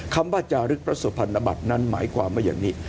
คำว่าจารึกพระสุพรรณบัตรนั้นหมายความว่าอย่างนี้